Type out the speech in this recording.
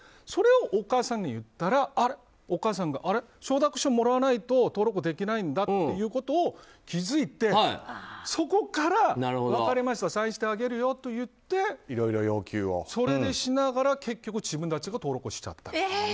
それをお母さんに言ったらお母さんが承諾書もらわないと登録できないんだということに気づいて、そこから分かりましたサインしてあげるよと言ってそれでしながら結局自分たちが登録しちゃったと。